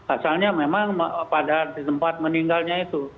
asalnya memang pada tempat meninggalnya itu